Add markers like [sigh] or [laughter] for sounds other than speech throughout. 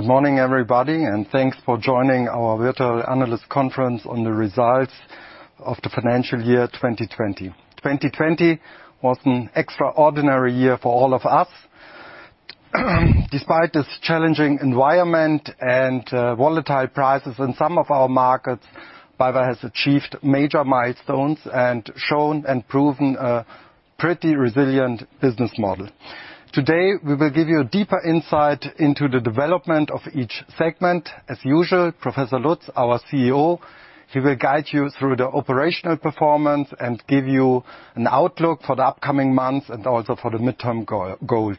Good morning, everybody. Thanks for joining our Virtual Analyst Conference on the Results of the Financial Year 2020. 2020 was an extraordinary year for all of us. Despite this challenging environment and volatile prices in some of our markets, BayWa has achieved major milestones and shown and proven a pretty resilient business model. Today, we will give you a deeper insight into the development of each segment. As usual, Professor Lutz, our CEO, he will guide you through the operational performance and give you an outlook for the upcoming months and also for the midterm goals.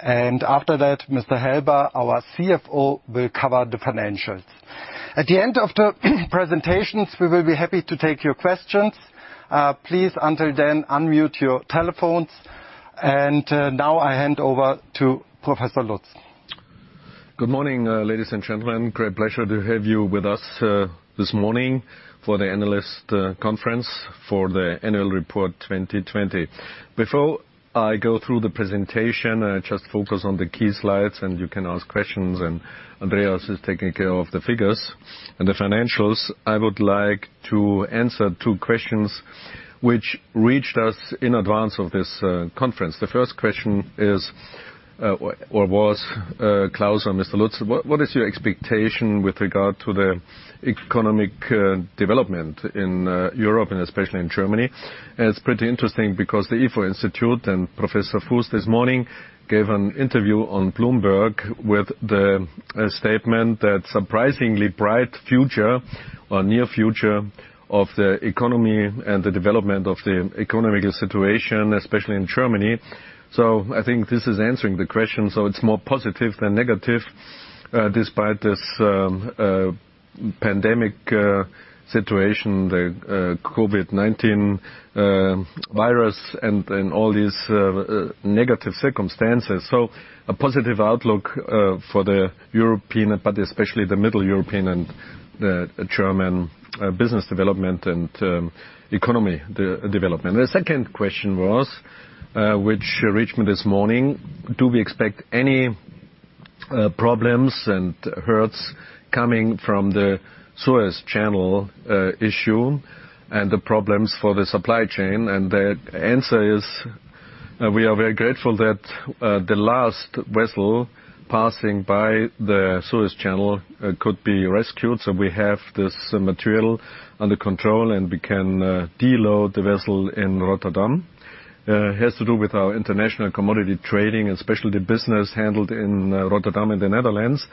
After that, Mr. Helber, our CFO, will cover the financials. At the end of the presentations, we will be happy to take your questions. Please, until then, unmute your telephones. Now I hand over to Professor Lutz. Good morning, ladies and gentlemen. Great pleasure to have you with us this morning for the analyst conference for the annual report 2020. Before I go through the presentation, I just focus on the key slides, you can ask questions, Andreas is taking care of the figures and the financials. I would like to answer two questions which reached us in advance of this conference. The first question is or was, "Klaus or Mr. Lutz, what is your expectation with regard to the economic development in Europe and especially in Germany?" It's pretty interesting because the ifo Institute and Professor Fuest this morning gave an interview on Bloomberg with the statement that surprisingly bright future or near future of the economy and the development of the economic situation, especially in Germany. I think this is answering the question. It's more positive than negative, despite this pandemic situation, the COVID-19 virus and all these negative circumstances. A positive outlook for the European, but especially the Middle European and the German business development and economy development. The second question was, which reached me this morning, "Do we expect any problems and hurts coming from the Suez Canal issue and the problems for the supply chain?" The answer is, we are very grateful that the last vessel passing by the Suez Canal could be rescued. We have this material under control, and we can de-load the vessel in Rotterdam. It has to do with our international commodity trading and specialty business handled in Rotterdam in the Netherlands.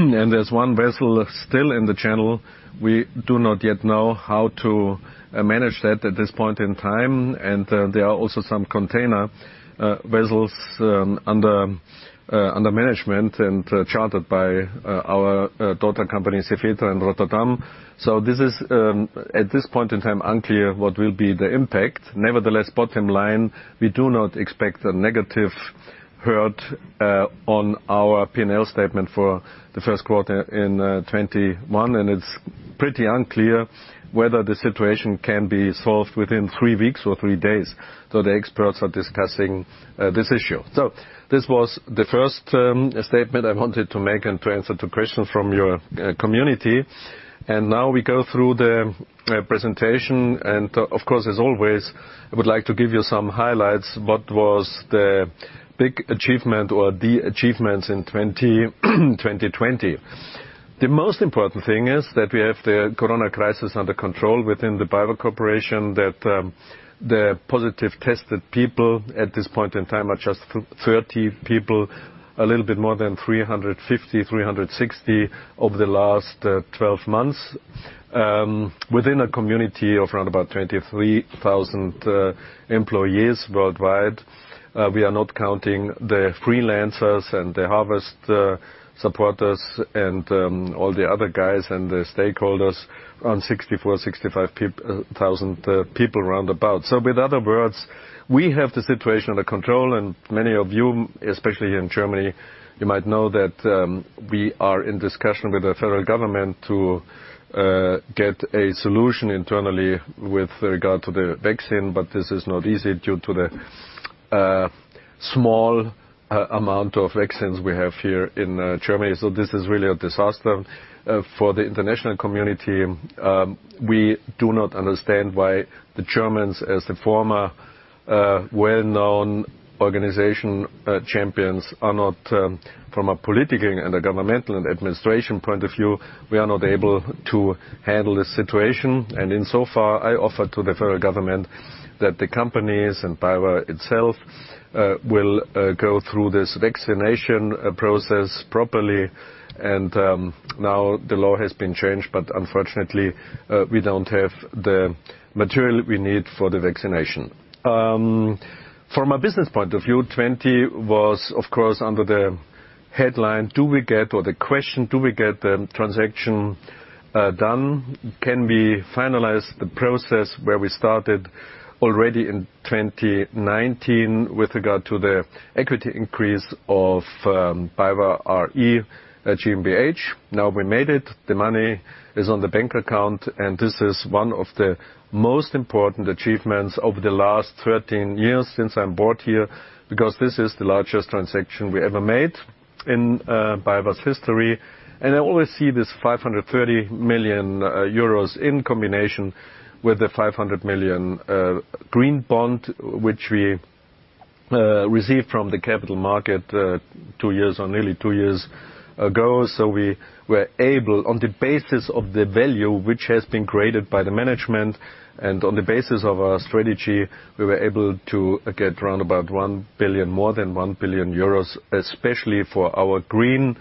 There's one vessel still in the channel. We do not yet know how to manage that at this point in time. There are also some container vessels under management and chartered by our daughter company, Cefetra in Rotterdam. This is, at this point in time, unclear what will be the impact. Nevertheless, bottom line, we do not expect a negative hurt on our P&L statement for the first quarter in 2021. It's pretty unclear whether the situation can be solved within three weeks or three days, though the experts are discussing this issue. This was the first statement I wanted to make and to answer to questions from your community. Now we go through the presentation. Of course, as always, I would like to give you some highlights. What was the big achievement or the achievements in 2020? The most important thing is that we have the Corona crisis under control within the BayWa Corporation, that the positive tested people at this point in time are just 30 people, a little bit more than 350, 360 over the last 12 months. Within a community of around about 23,000 employees worldwide. We are not counting the freelancers and the harvest supporters and all the other guys and the stakeholders. Around 64,000, 65,000 people around about. With other words, we have the situation under control. Many of you, especially in Germany, you might know that we are in discussion with the federal government to get a solution internally with regard to the vaccine, but this is not easy due to the small amount of vaccines we have here in Germany. This is really a disaster for the international community. We do not understand why the Germans, as the former well-known organization champions, are not from a political and a governmental and administration point of view, we are not able to handle this situation. Insofar, I offer to the federal government that the companies and BayWa itself will go through this vaccination process properly. Now the law has been changed, but unfortunately, we don't have the material we need for the vaccination. From a business point of view, 2020 was, of course, under the headline, or the question, do we get the transaction done? Can we finalize the process where we started already in 2019 with regard to the equity increase of BayWa r.e. GmbH? Now we made it. The money is on the bank account, this is one of the most important achievements over the last 13 years since I'm brought here because this is the largest transaction we ever made in BayWa's history. I always see this 530 million euros in combination with the 500 million green bond, which we received from the capital market two years or nearly two years ago. We were able, on the basis of the value which has been created by the management and on the basis of our strategy, we were able to get around about more than 1 billion euros, especially for our green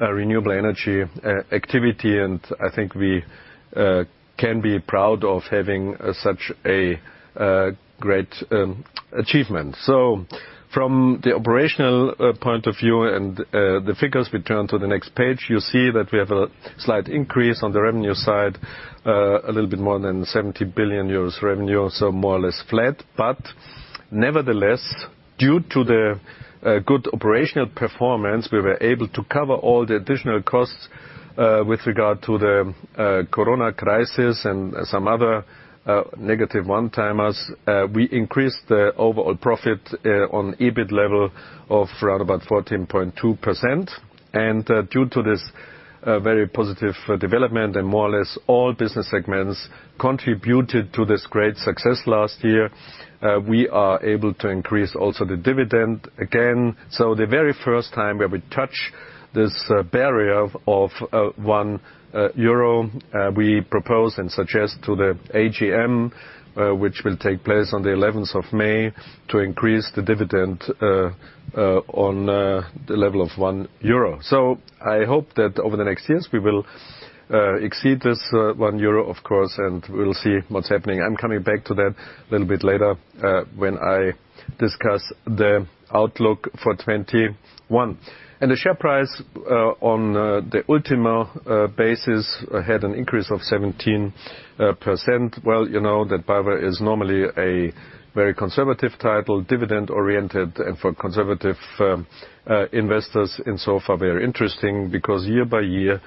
renewable energy activity, and I think we can be proud of having such a great achievement. From the operational point of view and the figures, we turn to the next page. You see that we have a slight increase on the revenue side, a little bit more than 17 billion euros revenue, so more or less flat. Nevertheless, due to the good operational performance, we were able to cover all the additional costs with regard to the COVID-19 crisis and some other negative one-timers. We increased the overall profit on EBIT level of around about 14.2%. Due to this very positive development and more or less all business segments contributed to this great success last year, we are able to increase also the dividend again. The very first time where we touch this barrier of 1 euro, we propose and suggest to the AGM, which will take place on the May 11th, to increase the dividend on the level of 1 euro. I hope that over the next years, we will exceed this Euro 1, of course, and we'll see what's happening. I'm coming back to that a little bit later when I discuss the outlook for 2021. The share price on the Ultimo basis had an increase of 17%. You know that BayWa is normally a very conservative title, dividend-oriented and for conservative investors in so far very interesting because year by year,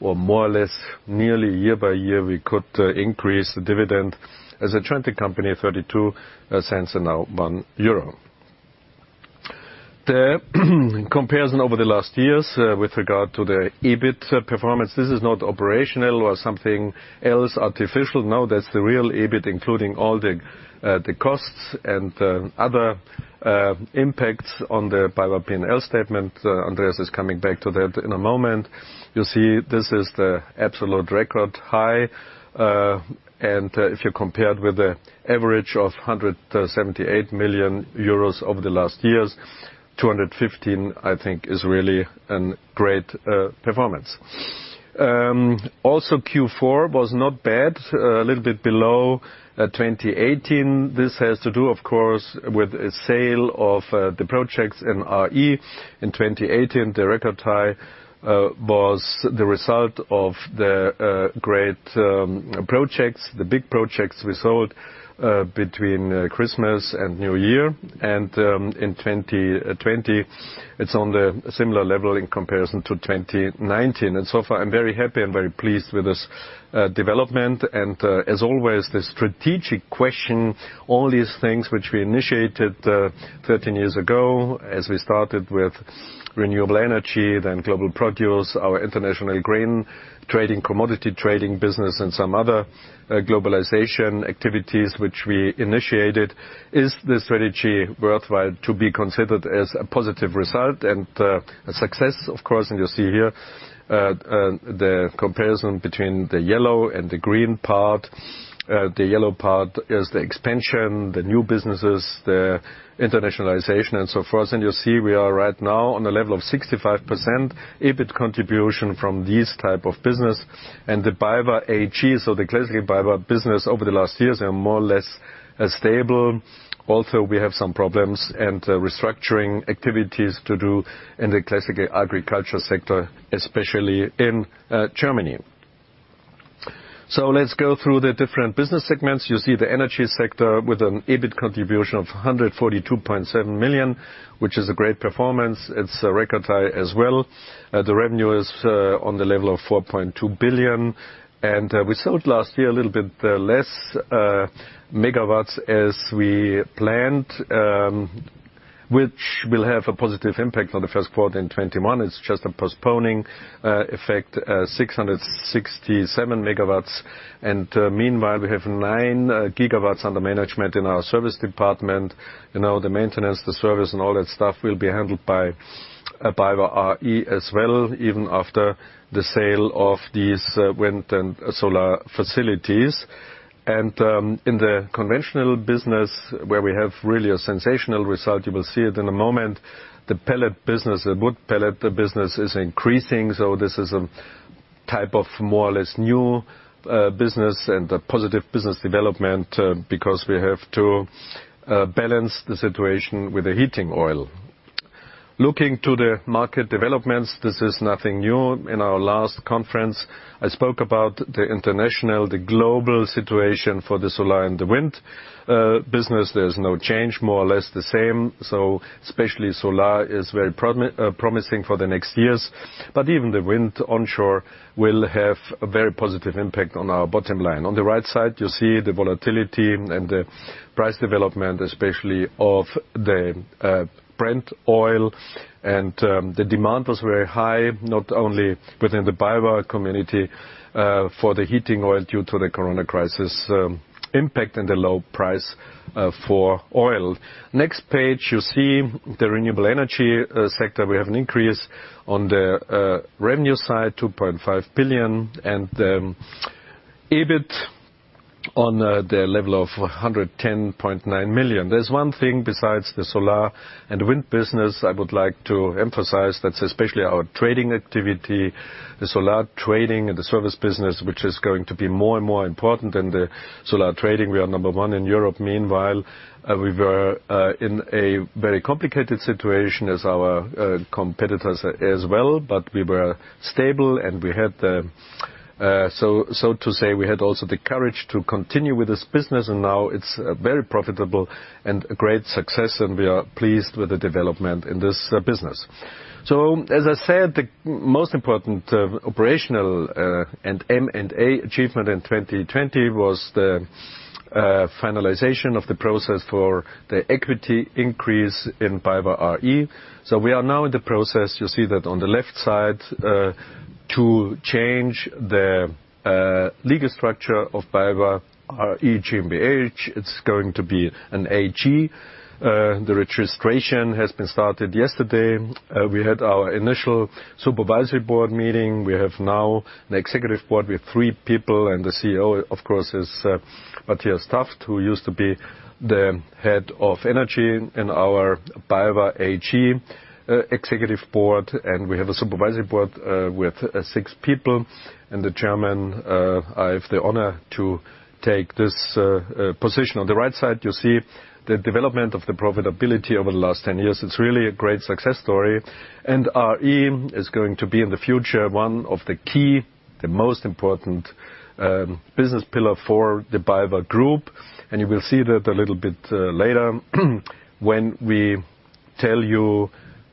or more or less nearly year by year, we could increase the dividend as a joint company of 0.32 and now 1 euro. The comparison over the last years with regard to the EBIT performance, this is not operational or something else artificial. That's the real EBIT, including all the costs and other impacts on the BayWa P&L statement. Andreas is coming back to that in a moment. You'll see this is the absolute record high. If you compare with the average of 178 million euros over the last years, 215, I think, is really a great performance. Q4 was not bad, a little bit below 2018. This has to do, of course, with a sale of the projects in RE in 2018. The record high was the result of the great projects, the big projects we sold between Christmas and New Year. In 2020, it's on the similar level in comparison to 2019. So far, I'm very happy and very pleased with this development. As always, the strategic question, all these things which we initiated 13 years ago as we started with renewable energy, then Global Produce, our international grain trading, commodity trading business, and some other globalization activities which we initiated. Is the strategy worthwhile to be considered as a positive result and a success? Of course. You see here the comparison between the yellow and the green part. The yellow part is the expansion, the new businesses, the internationalization, and so forth. You see we are right now on the level of 65% EBIT contribution from these type of business and the BayWa AG. The classic BayWa business over the last years are more or less stable. Also, we have some problems and restructuring activities to do in the classic agriculture sector, especially in Germany. Let's go through the different business segments. You see the energy sector with an EBIT contribution of 142.7 million, which is a great performance. It's a record high as well. The revenue is on the level of 4.2 billion. We sold last year a little bit less MW as we planned, which will have a positive impact on the first quarter in 2021. It's just a postponing effect, 667 MW. Meanwhile, we have 9 GW under management in our service department. The maintenance, the service, and all that stuff will be handled by BayWa r.e. as well, even after the sale of these wind and solar facilities. In the conventional business, where we have really a sensational result, you will see it in a moment. The pellet business, the wood pellet business is increasing. This is a type of more or less new business and a positive business development because we have to balance the situation with the heating oil. Looking to the market developments, this is nothing new. In our last conference, I spoke about the international, the global situation for the solar and the wind business. There's no change, more or less the same. Especially solar is very promising for the next years. Even the wind onshore will have a very positive impact on our bottom line. On the right side, you see the volatility and the price development, especially of the Brent oil. The demand was very high, not only within the BayWa community, for the heating oil due to the corona crisis impact and the low price for oil. Next page, you see the renewable energy sector. We have an increase on the revenue side, 2.5 billion, and EBIT on the level of 110.9 million. There is one thing besides the solar and wind business I would like to emphasize. That is especially our trading activity, the solar trading and the service business, which is going to be more and more important. In the solar trading, we are number one in Europe. Meanwhile, we were in a very complicated situation as our competitors as well, but we were stable and we had the courage to continue with this business, and now it's very profitable and a great success, and we are pleased with the development in this business. As I said, the most important operational and M&A achievement in 2020 was the finalization of the process for the equity increase in BayWa r.e. We are now in the process, you see that on the left side, to change the legal structure of BayWa r.e. GmbH. It's going to be an AG. The registration has been started yesterday. We had our initial supervisory board meeting. We have now an executive board with three people. The CEO, of course, is Matthias Taft, who used to be the head of energy in our BayWa AG executive board. We have a supervisory board with six people. The chairman, I have the honor to take this position. On the right side, you see the development of the profitability over the last 10 years. It's really a great success story. RE is going to be in the future, one of the key, the most important business pillar for the BayWa group. You will see that a little bit later when we tell you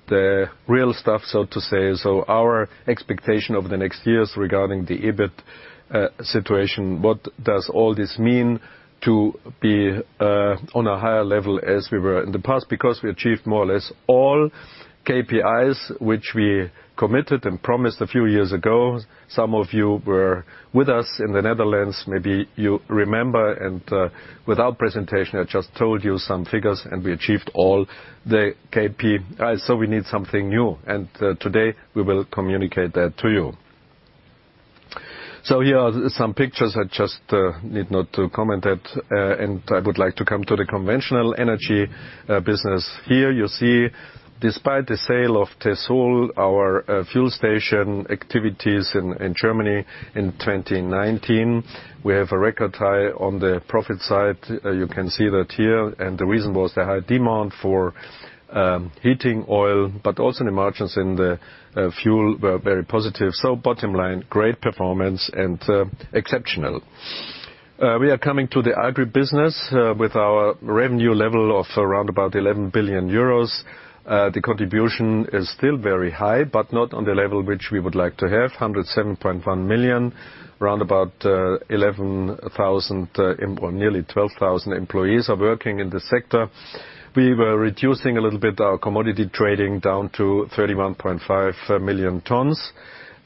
the real stuff, so to say. Our expectation over the next years regarding the EBIT situation, what does all this mean to be on a higher level as we were in the past? Because we achieved more or less all KPIs which we committed and promised a few years ago. Some of you were with us in the Netherlands, maybe you remember. With our presentation, I just told you some figures, and we achieved all the KPIs, so we need something new. Today, we will communicate that to you. Here are some pictures. I just need not to comment it. I would like to come to the conventional energy business. Here you see, despite the sale of TESSOL, our fuel station activities in Germany in 2019, we have a record high on the profit side. You can see that here. The reason was the high demand for heating oil, but also the margins in the fuel were very positive. Bottom line, great performance and exceptional. We are coming to the agri business with our revenue level of around about 11 billion euros. The contribution is still very high, but not on the level which we would like to have, 107.1 million. Around about 11,000, well, nearly 12,000 employees are working in this sector. We were reducing a little bit our commodity trading down to 31.5 million tons.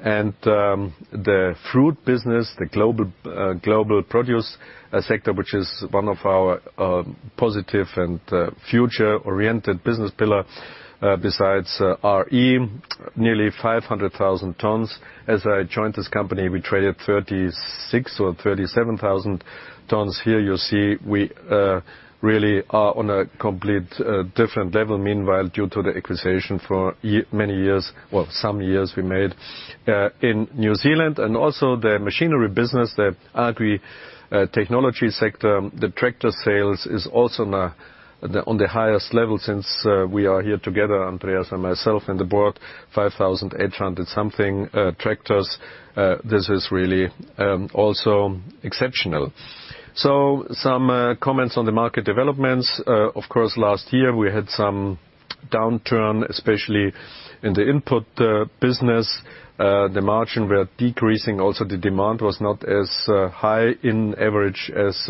The fruit business, BayWa Global Produce, which is one of our positive and future-oriented business pillar, besides BayWa r.e., nearly 500,000 tons. As I joined this company, we traded 36,000 or 37,000 tons. Here you see we really are on a complete different level. Meanwhile, due to the acquisition for many years. Well, some years we made in New Zealand and also the machinery business, the agri technology sector. The tractor sales is also now on the highest level since we are here together, Andreas and myself and the board, 5,800 something tractors. This is really also exceptional. Some comments on the market developments. Of course, last year we had some downturn, especially in the input business. The margin were decreasing also. The demand was not as high in average as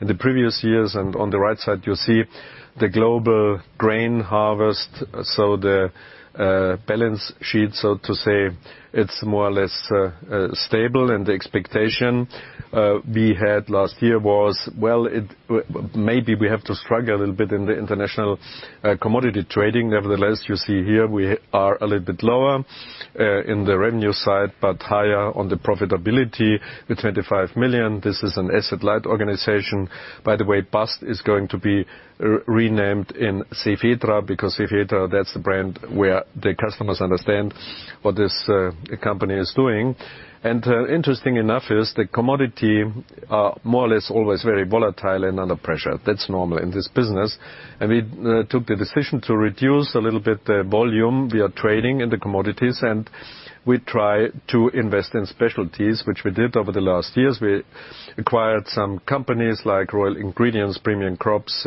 in the previous years. On the right side, you see the global grain harvest. The balance sheet, so to say, it's more or less stable. The expectation we had last year was, well, maybe we have to struggle a little bit in the international commodity trading. Nevertheless, you see here we are a little bit lower in the revenue side, but higher on the profitability with 25 million. This is an asset-light organization. By the way, BAST is going to be renamed in Cefetra because Cefetra, that's the brand where the customers understand what this company is doing. Interesting enough is the commodity are more or less always very volatile and under pressure. That's normal in this business. We took the decision to reduce a little bit the volume we are trading in the commodities, and we try to invest in specialties, which we did over the last years. We acquired some companies like Royal Ingredients, Premium Crops,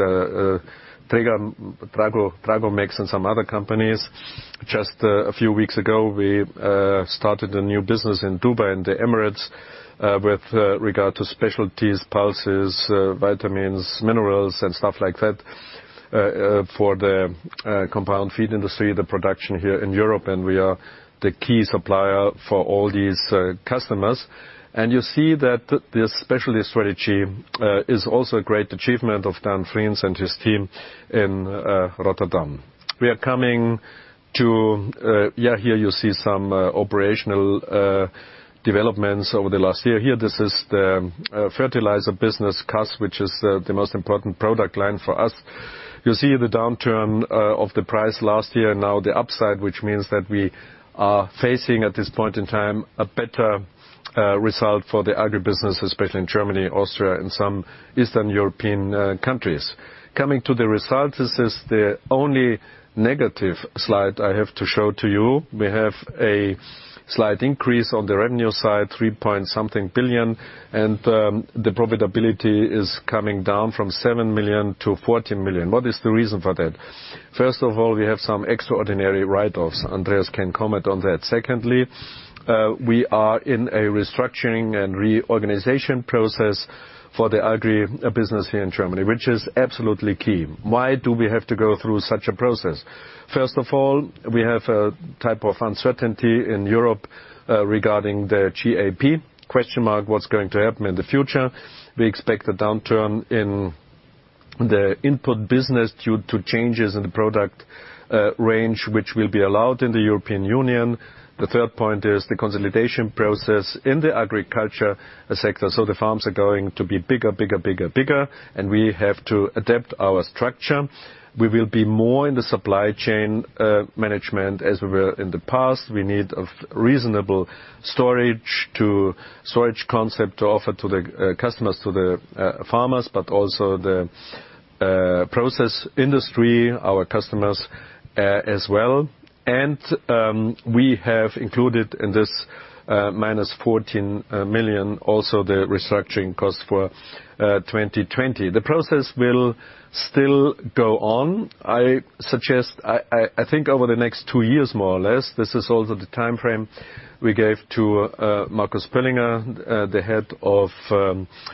Tracomex, and some other companies. Just a few weeks ago, we started a new business in Dubai, in the Emirates, with regard to specialties, pulses, vitamins, minerals, and stuff like that. For the compound feed industry, the production here in Europe, and we are the key supplier for all these customers. You see that the specialty strategy is also a great achievement of Daan Vriens and his team in Rotterdam. Here you see some operational developments over the last year. Here, this is the fertilizer business KAS, which is the most important product line for us. You see the downturn of the price last year, now the upside, which means that we are facing, at this point in time, a better result for the agribusiness, especially in Germany, Austria, and some Eastern European countries. Coming to the results, this is the only negative slide I have to show to you. We have a slight increase on the revenue side, 3.0+ billion, and the profitability is coming down from 7 million-14 million. What is the reason for that? First of all, we have some extraordinary write-offs. Andreas can comment on that. Secondly, we are in a restructuring and reorganization process for the agribusiness here in Germany, which is absolutely key. Why do we have to go through such a process? We have a type of uncertainty in Europe regarding the CAP. Question mark what's going to happen in the future. We expect a downturn in the input business due to changes in the product range, which will be allowed in the European Union. The third point is the consolidation process in the agriculture sector. The farms are going to be bigger. We have to adapt our structure. We will be more in the supply chain management as we were in the past. We need reasonable storage concept to offer to the customers, to the farmers, but also the process industry, our customers as well. We have included in this -14 million also the restructuring cost for 2020. The process will still go on. I think over the next two years, more or less. This is also the timeframe we gave to Marcus Pöllinger, the head of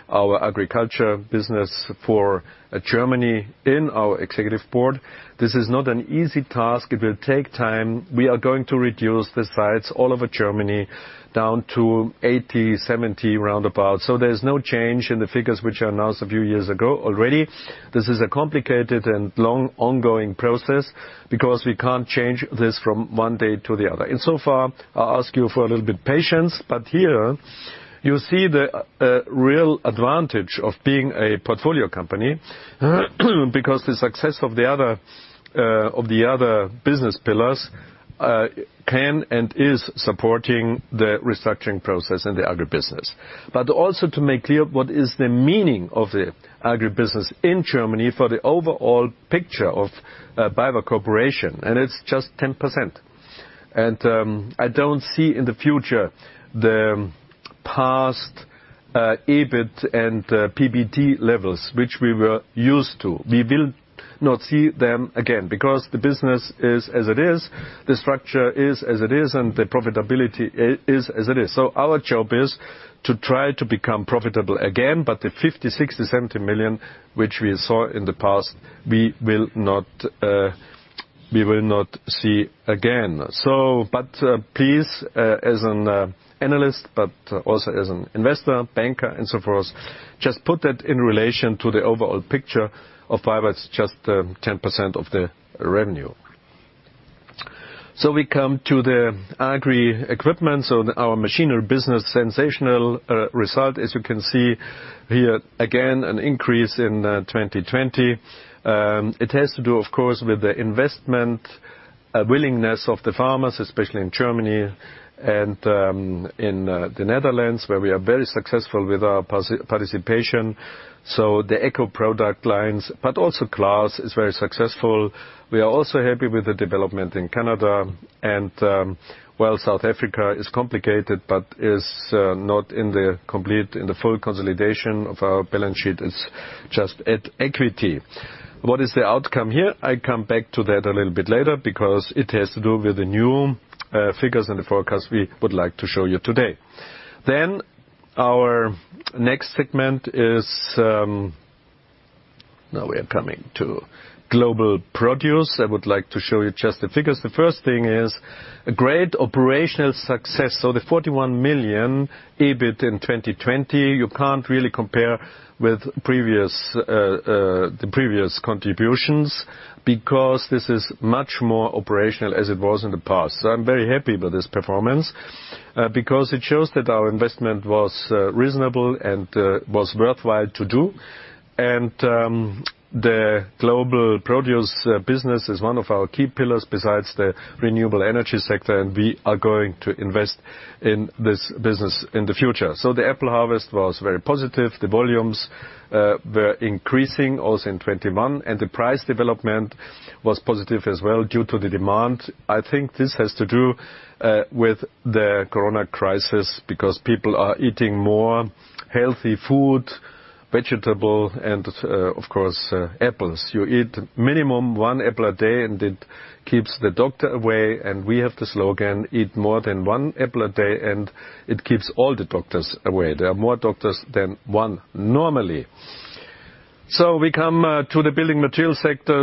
our agriculture business for Germany in our executive board. This is not an easy task. It will take time. We are going to reduce the sites all over Germany down to 80, 70. There is no change in the figures which are announced a few years ago already. This is a complicated and long ongoing process because we can't change this from one day to the other. In so far, I'll ask you for a little bit patience. Here you see the real advantage of being a portfolio company because the success of the other business pillars can and is supporting the restructuring process in the agribusiness. Also to make clear what is the meaning of the agribusiness in Germany for the overall picture of BayWa Corporation, and it's just 10%. I don't see in the future the past EBIT and PBT levels, which we were used to. We will not see them again because the business is as it is, the structure is as it is, and the profitability is as it is. Our job is to try to become profitable again. The EUR 50 million, EUR 60 million, EUR 70 million, which we saw in the past, we will not see again. Please, as an analyst, but also as an investor, banker, and so forth, just put that in relation to the overall picture of BayWa. It's just 10% of the revenue. We come to the Agri Equipment. Our machinery business, sensational result. As you can see here, again, an increase in 2020. It has to do, of course, with the investment willingness of the farmers, especially in Germany and in the Netherlands, where we are very successful with our participation. The Öko product lines, but also CLAAS, is very successful. We are also happy with the development in Canada. While South Africa is complicated but is not in the full consolidation of our balance sheet, it's just at equity. What is the outcome here? I come back to that a little bit later because it has to do with the new figures and the forecast we would like to show you today. Our next segment is Now we are coming to Global Produce. I would like to show you just the figures. The first thing is a great operational success. The 41 million EBIT in 2020, you can't really compare with the previous contributions because this is much more operational as it was in the past. I'm very happy with this performance because it shows that our investment was reasonable and was worthwhile to do. The global produce business is one of our key pillars besides the renewable energy sector, and we are going to invest in this business in the future. The apple harvest was very positive. The volumes were increasing also in 2021, and the price development was positive as well due to the demand. I think this has to do with the corona crisis because people are eating more healthy food, vegetable, and of course, apples. You eat minimum one apple a day and it keeps the doctor away. We have the slogan, "Eat more than one apple a day, and it keeps all the doctors away." There are more doctors than one normally. We come to the building materials sector.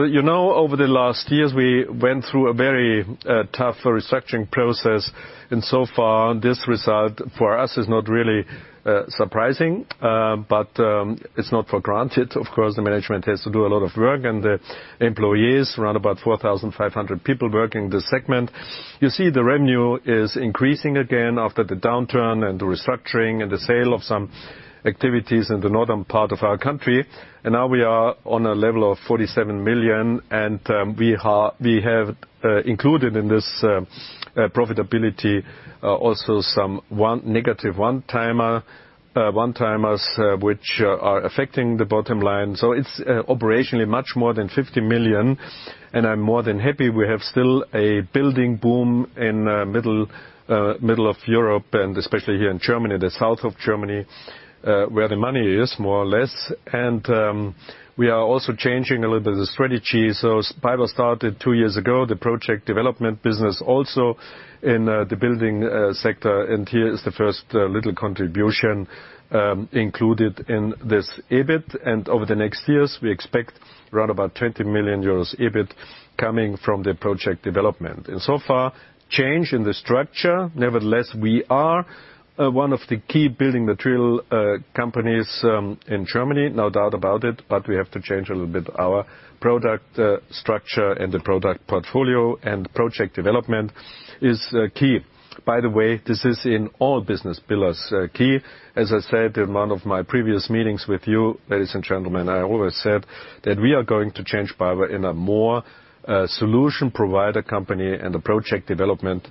Over the last years, we went through a very tough restructuring process. This result for us is not really surprising. It's not for granted, of course. The management has to do a lot of work. The employees, around about 4,500 people working this segment. You see the revenue is increasing again after the downturn and the restructuring and the sale of some activities in the northern part of our country. Now we are on a level of 47 million, and we have included in this profitability also some negative one-timers which are affecting the bottom line. It's operationally much more than 50 million. I'm more than happy we have still a building boom in the middle of Europe and especially here in Germany, the south of Germany, where the money is, more or less. We are also changing a little bit the strategy. BayWa started two years ago, the project development business also in the building sector. Here is the first little contribution included in this EBIT. Over the next years, we expect around about 20 million euros EBIT coming from the project development. So far, change in the structure. Nevertheless, we are one of the key building material companies in Germany, no doubt about it, but we have to change a little bit our product structure and the product portfolio and project development is key. By the way, this is in all business pillars key. As I said in one of my previous meetings with you, ladies and gentlemen, I always said that we are going to change BayWa in a more solution provider company and a project development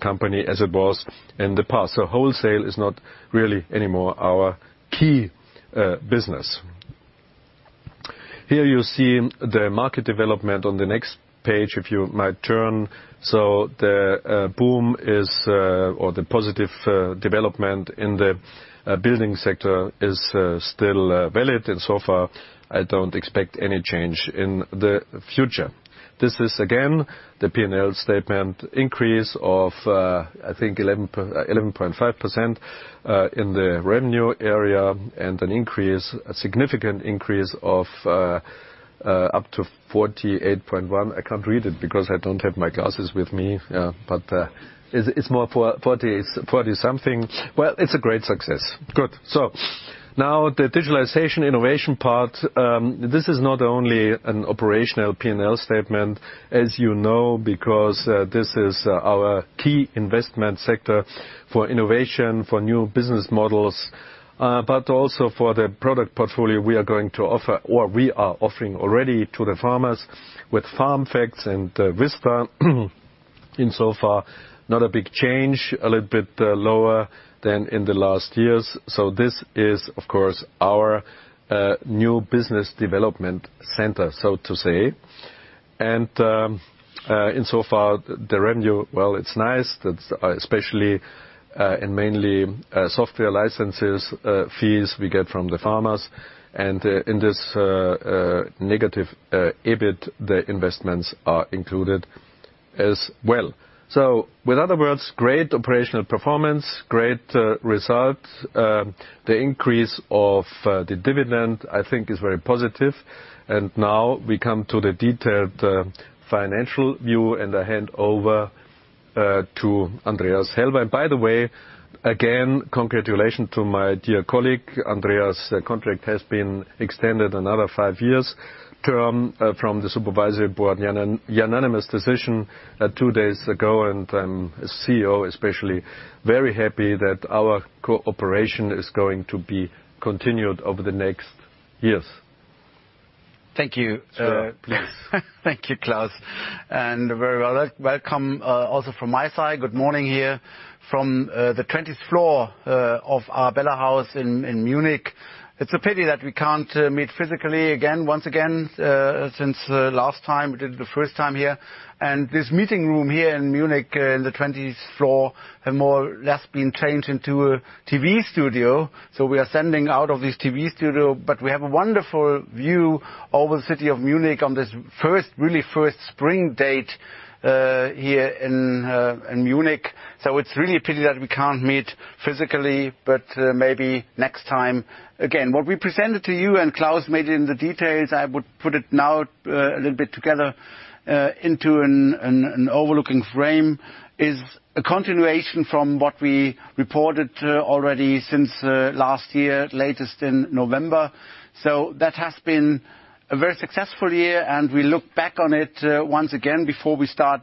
company as it was in the past. Wholesale is not really anymore our key business. Here you see the market development on the next page, if you might turn. The boom is, or the positive development in the building sector is still valid. So far, I don't expect any change in the future. This is again, the P&L statement increase of, I think, 11.5% in the revenue area and a significant increase of up to 48.1. I can't read it because I don't have my glasses with me. It's more 40 something. Well, it's a great success. Good. Now the digitalization innovation part. This is not only an operational P&L statement, as you know, because this is our key investment sector for innovation, for new business models. Also for the product portfolio we are going to offer or we are offering already to the farmers with FarmFacts and Vista. In so far, not a big change, a little bit lower than in the last years. This is, of course, our new business development center, so to say. In so far, the revenue, well, it's nice that especially and mainly software licenses fees we get from the farmers. In this negative EBIT, the investments are included as well. With other words, great operational performance, great results. The increase of the dividend, I think is very positive. Now we come to the detailed financial view and I hand over to Andreas Helber. By the way, again, congratulations to my dear colleague. Andreas' contract has been extended another five years term from the supervisory board. Unanimous decision two days ago. I'm, as CEO, especially very happy that our cooperation is going to be continued over the next years. Thank you. Please. Thank you, Klaus. Very well. Welcome also from my side. Good morning here from the 20th floor of our BayWa Hochhaus in Munich. It's a pity that we can't meet physically once again since last time we did the first time here. This meeting room here in Munich in the 20th floor have more or less been changed into a TV studio. We are sending out of this TV studio. We have a wonderful view over the city of Munich on this really first spring date here in Munich. It's really a pity that we can't meet physically. Maybe next time again. What we presented to you and Klaus made it in the details, I would put it now a little bit together into an overlooking frame, is a continuation from what we reported already since last year, latest in November. That has been a very successful year, and we look back on it once again before we start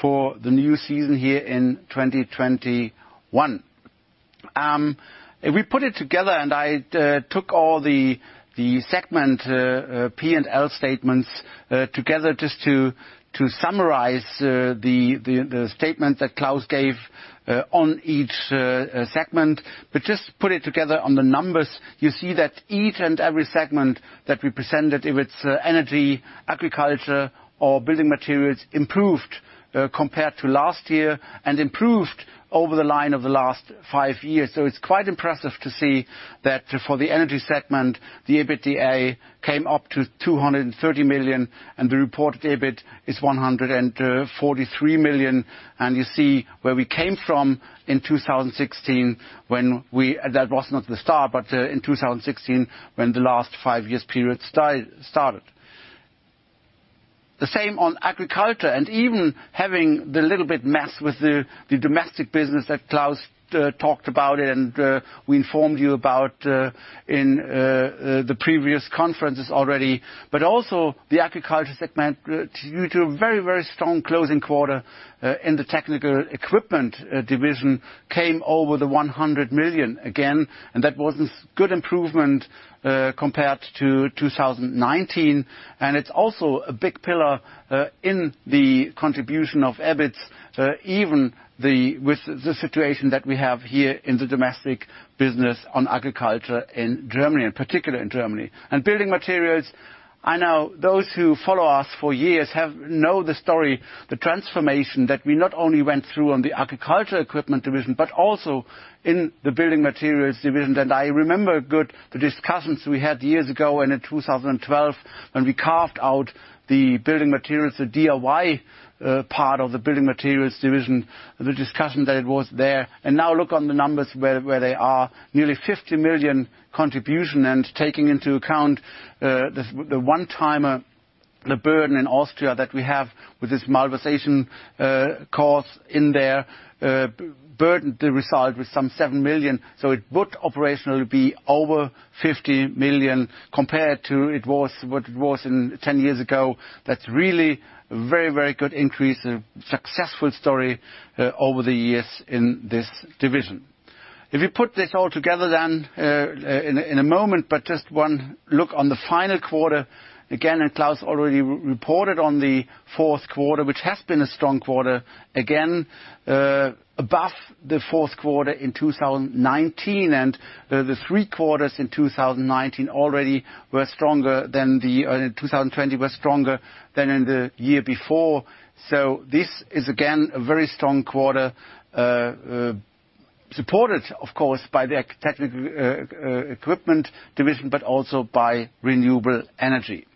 for the new season here in 2021. We put it together and I took all the segment P&L statements together just to summarize the statement that Klaus gave on each segment. Just put it together on the numbers. You see that each and every segment that we presented, if it's energy, agriculture, or building materials, improved compared to last year and improved over the line of the last five years. It's quite impressive to see that for the energy segment, the EBITDA came up to 230 million, and the reported EBIT is 143 million. You see where we came from in 2016, that was not the start, but in 2016 when the last five years period started. The same on agriculture, even having the little bit mess with the domestic business that Klaus talked about and we informed you about in the previous conferences already. Also the agriculture segment, due to a very strong closing quarter in the technical equipment division, came over 100 million again. That was a good improvement compared to 2019. It's also a big pillar in the contribution of EBIT, even with the situation that we have here in the domestic business on agriculture in Germany, and particular in Germany. Building materials, I know those who follow us for years know the story, the transformation that we not only went through on the agriculture equipment division, but also in the building materials division. I remember good the discussions we had years ago in 2012, when we carved out the building materials, the DIY part of the building materials division, the discussion that it was there. Now look on the numbers where they are. Nearly 50 million contribution, taking into account the one-timer, the burden in Austria that we have with this malversation cause in there, burdened the result with some 7 million. It would operationally be over 50 million compared to what it was 10 years ago. That's really very good increase, a successful story over the years in this division. If you put this all together then, in a moment, but just one look on the final quarter. Again, Klaus already reported on the fourth quarter, which has been a strong quarter, again above the fourth quarter in 2019. The three quarters in 2020 were stronger than in the year before. This is, again, a very strong quarter, supported of course by the technical equipment division, but also by renewable energy.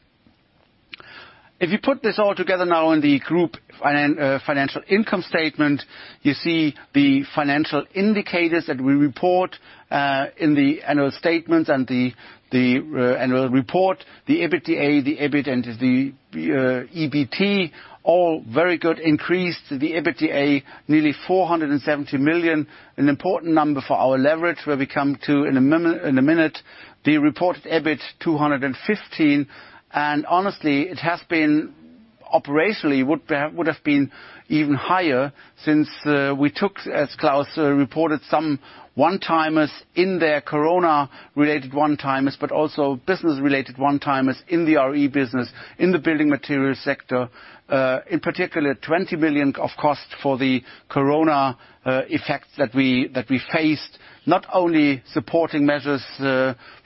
If you put this all together now in the group financial income statement, you see the financial indicators that we report in the annual statements and the annual report. The EBITDA, the EBIT, and the EBT, all very good increase. The EBITDA, nearly 470 million. An important number for our leverage, where we come to in a minute. The reported EBIT 215. Honestly, operationally would have been even higher since we took, as Klaus reported, some one-timers in there. Corona related one-timers, but also business related one-timers in the RE business, in the building material sector. In particular, 20 million of cost for the Corona effects that we faced. Not only supporting measures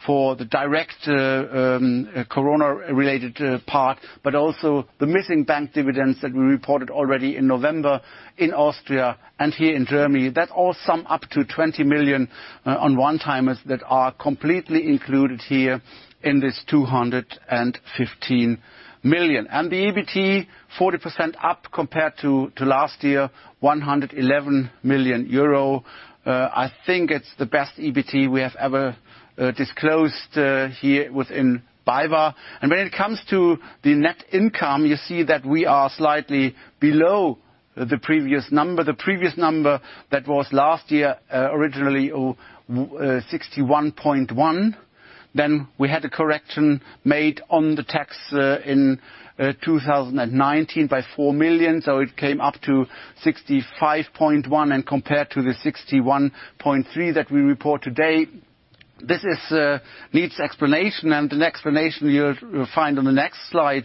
for the direct COVID-19-related part, but also the missing bank dividends that we reported already in November in Austria and here in Germany. That all sum up to 20 million on one-timers that are completely included here in this 215 million. The EBT, 40% up compared to last year, 111 million euro. I think it's the best EBT we have ever disclosed here within BayWa. When it comes to the net income, you see that we are slightly below the previous number. The previous number that was last year originally, 61.1. We had a correction made on the tax in 2019 by 4 million. It came up to 65.1, and compared to the 61.3 that we report today. This needs explanation, and an explanation you'll find on the next slide.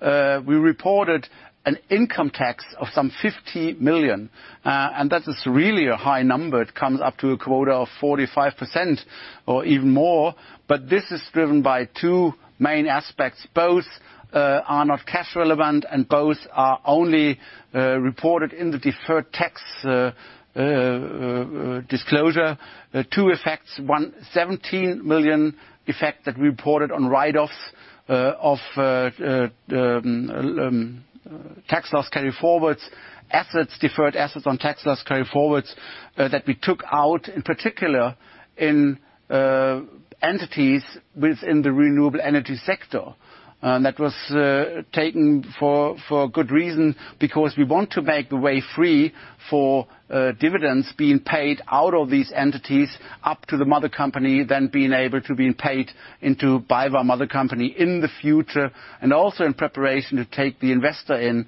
We reported an income tax of some 50 million. That is really a high number. It comes up to a quota of 45% or even more. This is driven by two main aspects. Both are not cash relevant and both are only reported in the deferred tax disclosure. Two effects. One, 17 million effect that we reported on write-offs of tax loss carry-forwards. Deferred assets on tax loss carry-forwards, that we took out, in particular, in entities within the renewable energy sector. That was taken for good reason because we want to make the way free for dividends being paid out of these entities up to the mother company, then being able to being paid into BayWa mother company in the future. Also in preparation to take the investor in,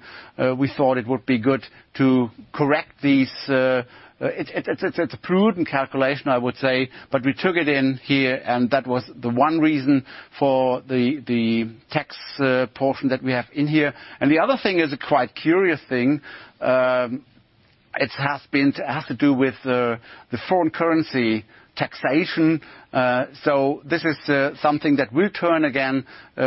we thought it would be good to correct these. It's a prudent calculation, I would say. We took it in here. That was the one reason for the tax portion that we have in here. The other thing is a quite curious thing. It has to do with the foreign currency taxation. This is something that will turn again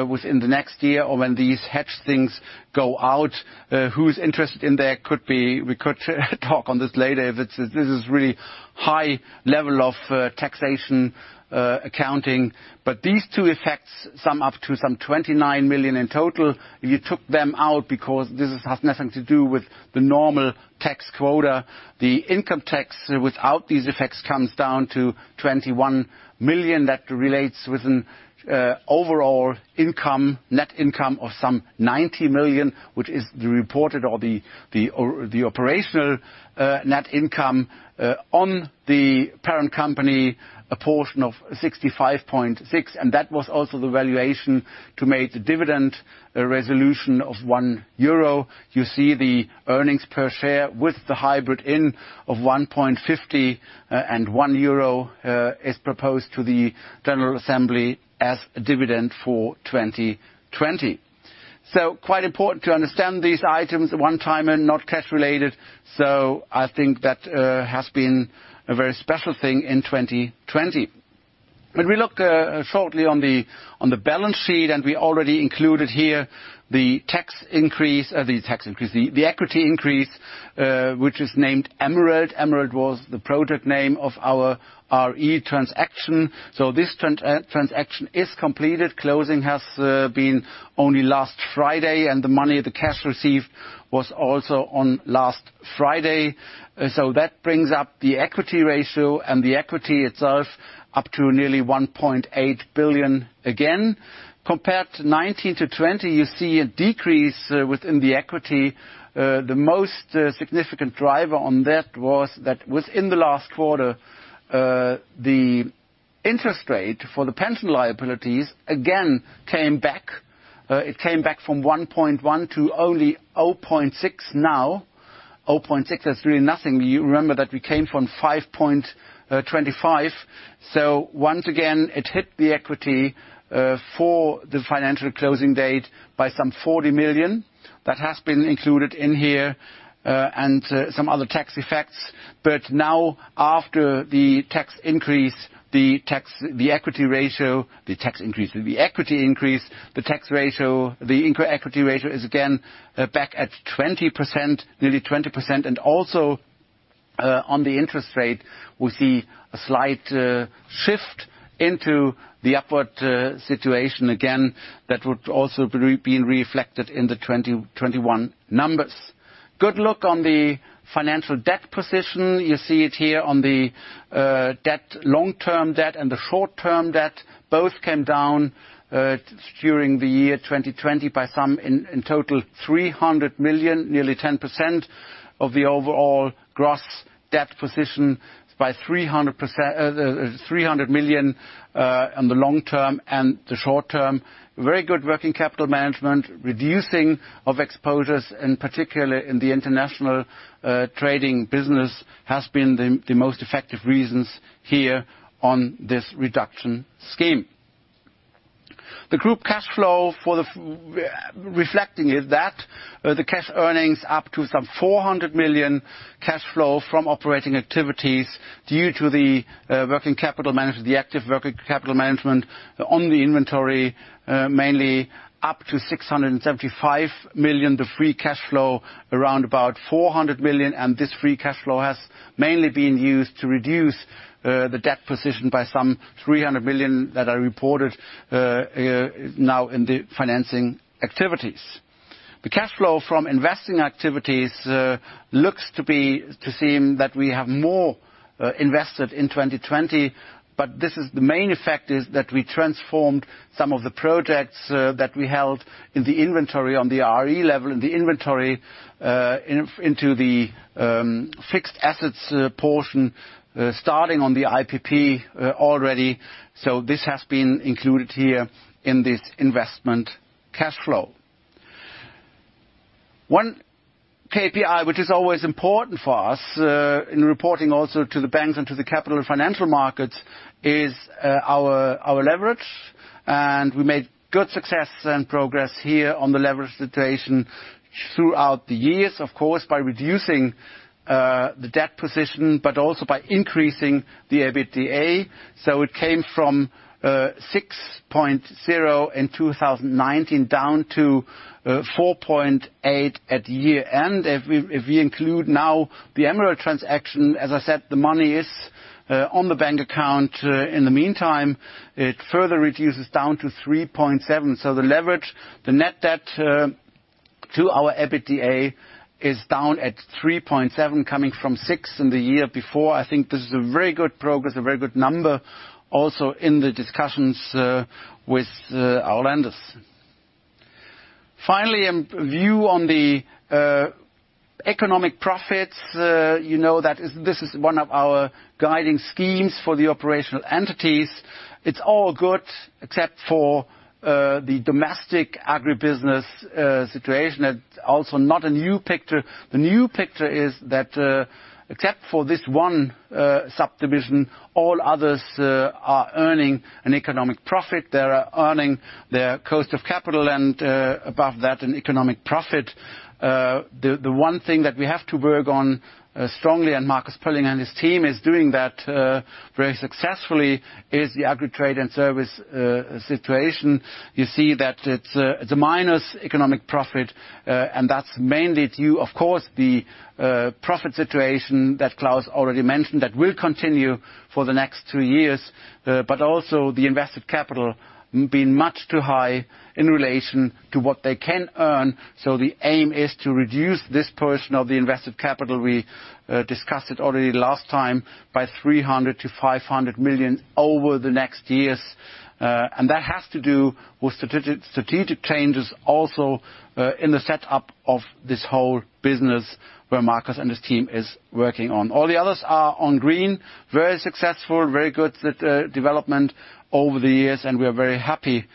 within the next year or when these hedge things go out. Who is interested in there, we could talk on this later. This is really high level of taxation accounting. These two effects sum up to some 29 million in total. You took them out because this has nothing to do with the normal tax quota. The income tax, without these effects, comes down to 21 million. That relates with an overall net income of some 90 million, which is the reported or the operational net income on the parent company, a portion of 65.6%. That was also the valuation to make the dividend resolution of 1 euro. You see the earnings per share with the hybrid in of 1.50 and 1 euro, is proposed to the general assembly as a dividend for 2020. Quite important to understand these items. One-timer, not cash related. I think that has been a very special thing in 2020. When we look shortly on the balance sheet, we already included here the tax increase. The equity increase, which is named Emerald. Emerald was the project name of our BayWa r.e. transaction. This transaction is completed. Closing has been only last Friday, and the money, the cash received, was also on last Friday. That brings up the equity ratio and the equity itself up to nearly 1.8 billion again. Compared to 2019-2020, you see a decrease within the equity. The most significant driver on that was that within the last quarter, the interest rate for the pension liabilities again came back. It came back from 1.1 to only 0.6 now. 0.6 is really nothing. You remember that we came from 5.25. Once again, it hit the equity for the financial closing date by some 40 million. That has been included in here, and some other tax effects. Now after the tax increase, the equity ratio is again back at 20%, nearly 20%. Also on the interest rate, we see a slight shift into the upward situation again. That would also been reflected in the 2021 numbers. Good look on the financial debt position. You see it here on the long-term debt and the short-term debt. Both came down during the year 2020 by some, in total, 300 million, nearly 10% of the overall gross debt position, by 300 million on the long-term and the short-term. Very good working capital management. Reducing of exposures, and particularly in the international trading business, has been the most effective reasons here on this reduction scheme. The group cash flow reflecting that. The cash earnings up to some 400 million cash flow from operating activities due to the working capital management, the active working capital management on the inventory, mainly up to 675 million. The free cash flow around about 400 million, and this free cash flow has mainly been used to reduce the debt position by some 300 million that are reported now in the financing activities. The cash flow from investing activities looks to seem that we have more invested in 2020, but the main effect is that we transformed some of the projects that we held in the inventory on the BayWa r.e. level, in the inventory into the fixed assets portion starting on the IPP already. This has been included here in this investment cash flow. One KPI which is always important for us in reporting also to the banks and to the capital financial markets, is our leverage. We made good success and progress here on the leverage situation throughout the years, of course, by reducing the debt position, but also by increasing the EBITDA. It came from 6.0 in 2019 down to 4.8 at year-end. If we include now the Emerald transaction, as I said, the money is on the bank account in the meantime. It further reduces down to 3.7. The leverage, the net debt to our EBITDA is down at 3.7 coming from six in the year before. I think this is a very good progress, a very good number also in the discussions with our lenders. Finally, a view on the economic profits. You know that this is one of our guiding schemes for the operational entities. It's all good except for the domestic agribusiness situation. That's also not a new picture. The new picture is that except for this one subdivision, all others are earning an economic profit. They are earning their cost of capital and above that, an economic profit. The one thing that we have to work on strongly, and Marcus Pöllinger and his team is doing that very successfully, is the agri trade and service situation. You see that it's a minus economic profit, that's mainly due, of course, the profit situation that Klaus already mentioned that will continue for the next two years. Also the invested capital being much too high in relation to what they can earn. The aim is to reduce this portion of the invested capital, we discussed it already last time, by 300 million-500 million over the next years. That has to do with strategic changes also in the setup of this whole business where Marcus and his team is working on. All the others are on green, very successful, very good development over the years, we are very happy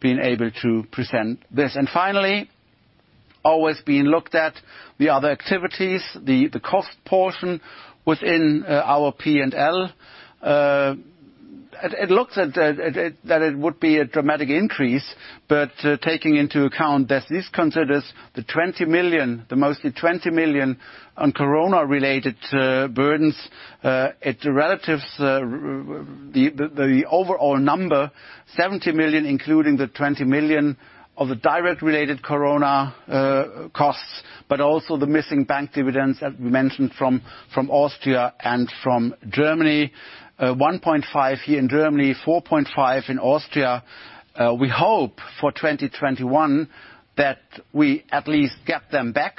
being able to present this. Finally, always being looked at, the other activities, the cost portion within our P&L. Taking into account that this considers the mostly 20 million on COVID related burdens, the overall number, 70 million, including the 20 million of the direct related COVID costs, also the missing bank dividends that we mentioned from Austria and from Germany: 1.5 million here in Germany, 4.5 million in Austria. We hope for 2021 that we at least get them back,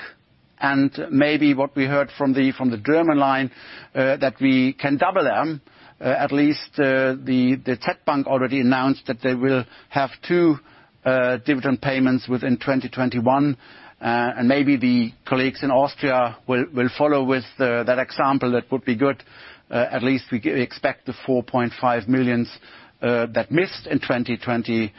maybe what we heard from the German line, that we can double them. At least TechBank already announced that they will have two dividend payments within 2021. Maybe the colleagues in Austria will follow with that example. That would be good. At least we expect the 4.5 million that missed in 2020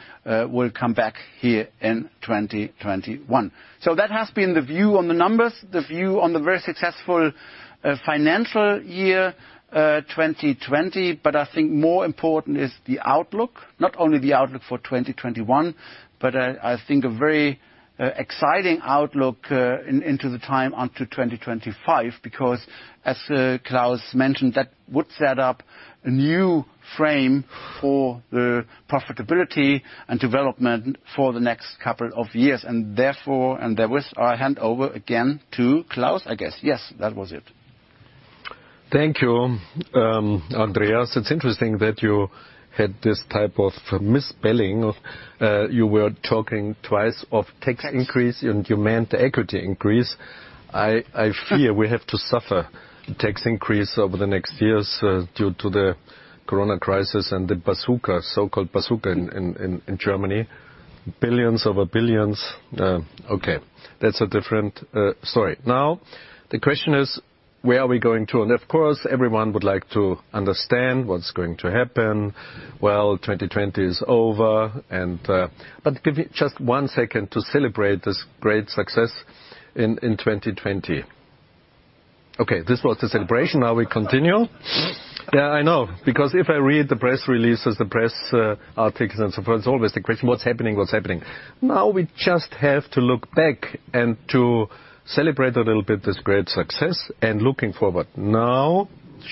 will come back here in 2021. That has been the view on the numbers, the view on the very successful financial year 2020. I think more important is the outlook. Not only the outlook for 2021, but I think a very exciting outlook into the time onto 2025, because as Klaus mentioned, that would set up a new frame for the profitability and development for the next couple of years. Therefore, and there with, I hand over again to Klaus, I guess. Yes, that was it. Thank you, Andreas. It's interesting that you had this type of misspelling. You were talking twice of tax increase and you meant equity increase. I fear we have to suffer tax increase over the next years due to the COVID-19 crisis and the bazooka, so-called bazooka in Germany. Billions over billions. Okay, that's a different story. Now the question is, where are we going to? Of course, everyone would like to understand what's going to happen. Well, 2020 is over. Give it just one second to celebrate this great success in 2020. Okay, this was the celebration. Now we continue. Yeah, I know. Because if I read the press releases, the press articles and so forth, it's always the question, what's happening? Now we just have to look back and to celebrate a little bit this great success and looking forward.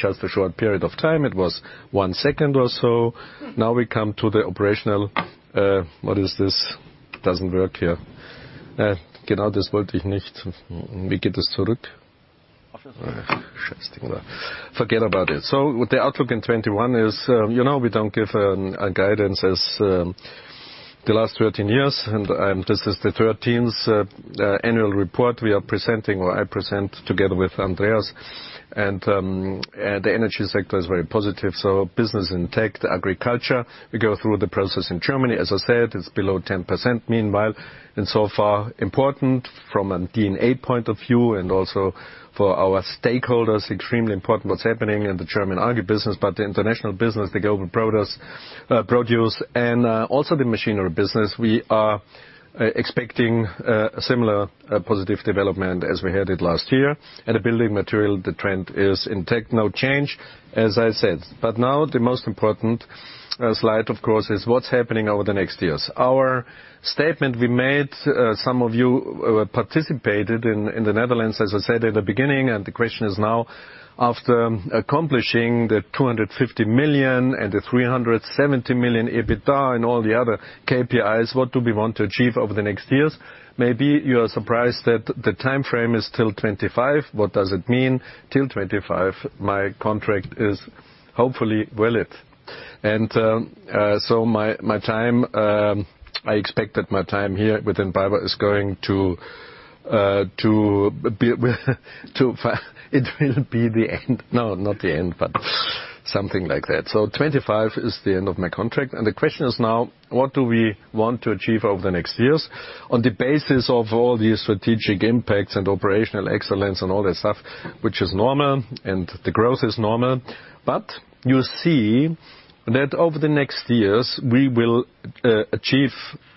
Just a short period of time, it was one second or so. We come to the operational. What is this? Doesn't work here. Forget about it. The outlook in 2021 is, we don't give a guidance as the last 13 years, and this is the 13th annual report we are presenting, or I present together with Andreas. The Energy Segment is very positive. Business intact. Agriculture, we go through the process in Germany, as I said, it's below 10% meanwhile. So far important from a DNA point of view and also for our stakeholders, extremely important what's happening in the German agribusiness, but the international business, the Global Produce, and also the machinery business. We are expecting a similar positive development as we had it last year. The Building Materials, the trend is intact. No change, as I said. Now the most important slide, of course, is what's happening over the next years. Our statement we made, some of you participated in the Netherlands, as I said at the beginning. The question is now, after accomplishing the 250 million and the 370 million EBITDA and all the other KPIs, what do we want to achieve over the next years? Maybe you are surprised that the time frame is till 2025. What does it mean till 2025? My contract is hopefully valid. I expect that my time here within BayWa it will be the end. No, not the end, but something like that. 2025 is the end of my contract. The question is now, what do we want to achieve over the next years? On the basis of all the strategic impacts and operational excellence and all that stuff, which is normal, and the growth is normal. You see that over the next years, we will achieve,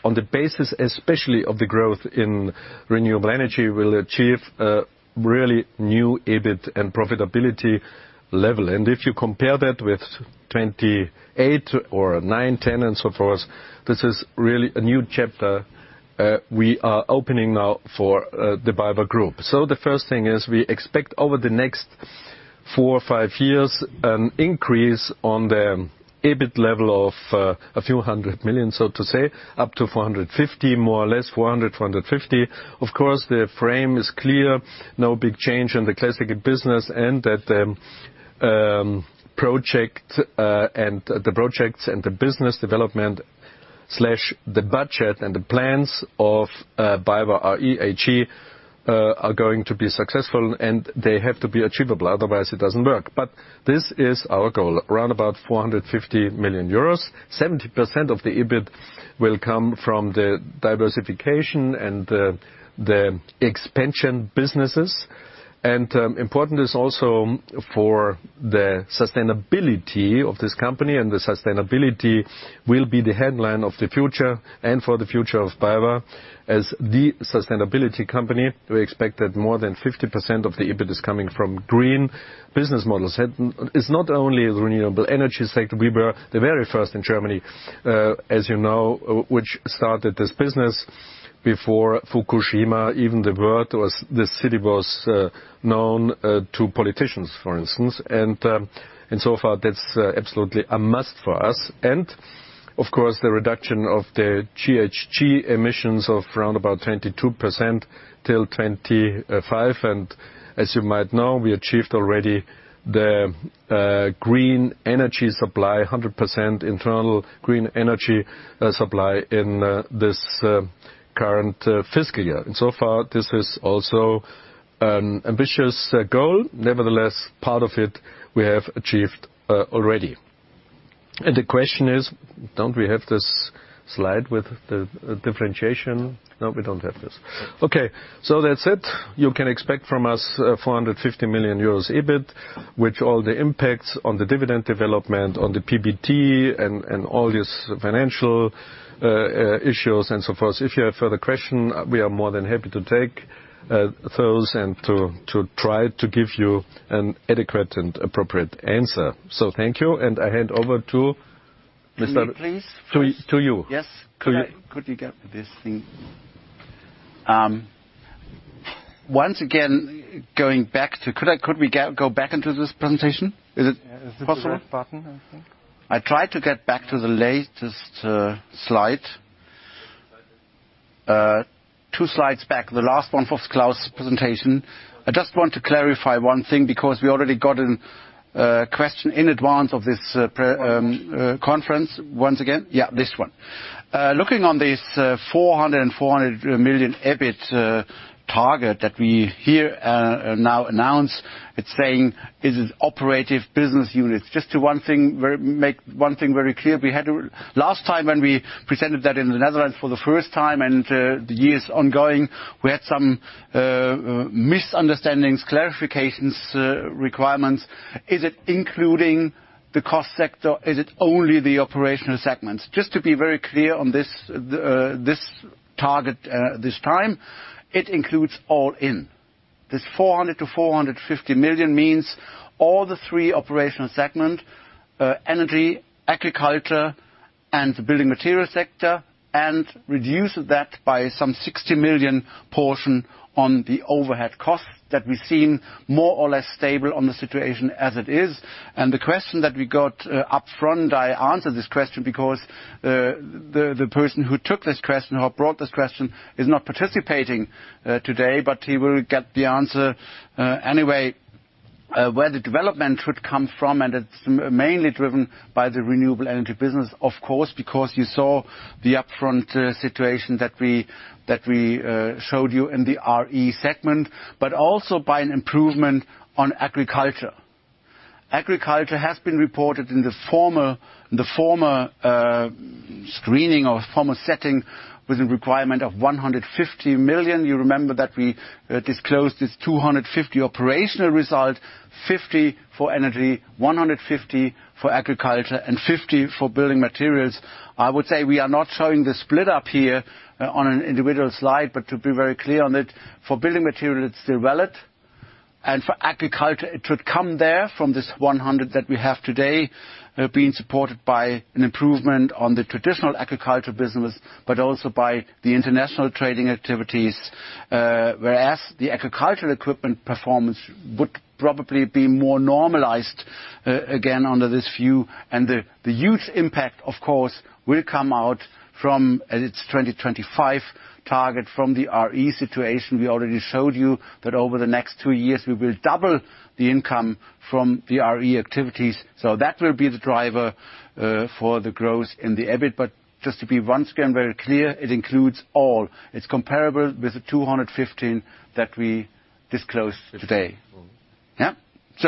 on the basis especially of the growth in renewable energy, we'll achieve a really new EBIT and profitability level. If you compare that with 2008 or 2009, 2010, and so forth, this is really a new chapter we are opening now for the BayWa Group. The first thing is we expect over the next four or five years an increase on the EBIT level of a few 100+ million, so to say, up to 450 million, more or less 400 million, 450 million. Of course, the frame is clear. No big change in the classical business, and that the projects and the business development/the budget and the plans of BayWa r.e. AG are going to be successful, and they have to be achievable. Otherwise, it doesn't work. This is our goal, around about 450 million euros. 70% of the EBIT will come from the diversification and the expansion businesses. Important is also for the sustainability of this company, and the sustainability will be the headline of the future and for the future of BayWa as the sustainability company. We expect that more than 50% of the EBIT is coming from green business models. It's not only the renewable energy sector. We were the very first in Germany, as you know, which started this business before Fukushima. Even this city was known to politicians, for instance. So far, that's absolutely a must for us. Of course, the reduction of the GHG emissions of around about 22% till 2025. As you might know, we achieved already the green energy supply, 100% internal green energy supply in this current fiscal year. So far, this is also an ambitious goal. Nevertheless, part of it we have achieved already. The question is, don't we have this slide with the differentiation? No, we don't have this. Okay. That's it. You can expect from us 450 million euros EBIT, with all the impacts on the dividend development, on the PBT, and all these financial issues and so forth. If you have further question, we are more than happy to take those and to try to give you an adequate and appropriate answer. Thank you. I hand over to Mr... [crosstalk] To me, please? First. To you. [crosstalk] Yes. Could you... [crosstalk] Could you get this thing? Once again, going back to, could we go back into this presentation? Is it possible? [crosstalk] Yeah. It's the red button, I think. I tried to get back to the latest slide. Two slides back, the last one for Klaus' presentation. I just want to clarify one thing because we already got a question in advance of this conference. Once again. Yeah, this one. Looking on this 400 million EBIT target that we here now announce, it's saying is it operative business units? Just to make one thing very clear. Last time when we presented that in the Netherlands for the first time and the years ongoing, we had some misunderstandings, clarifications requirements. Is it including the cost sector? Is it only the operational segments? Just to be very clear on this target this time, it includes all in. This 400 million-450 million means all the three operational segment, energy, agriculture, and the building material sector, and reduce that by some 60 million portion on the overhead cost that we've seen more or less stable on the situation as it is. The question that we got upfront, I answered this question because the person who took this question or brought this question is not participating today, but he will get the answer anyway. Where the development should come from, and it's mainly driven by the renewable energy business, of course, because you saw the upfront situation that we showed you in the RE Segment, but also by an improvement on agriculture. Agriculture has been reported in the former screening or former setting with a requirement of 150 million. You remember that we disclosed this 250 million operational result, 50 million for energy, 150 million for agriculture, and 50 million for building materials. I would say we are not showing the split up here on an individual slide. To be very clear on it, for building material, it's still valid. For agriculture, it should come there from this 100 million that we have today, being supported by an improvement on the traditional agriculture business, but also by the international trading activities. Whereas the agricultural equipment performance would probably be more normalized again under this view. The huge impact, of course, will come out from, and it's 2025 target from the BayWa r.e. situation. We already showed you that over the next two years, we will double the income from the BayWa r.e. activities. That will be the driver for the growth in the EBIT. Just to be once again very clear, it includes all. It's comparable with the 215 that we disclosed today. Yeah.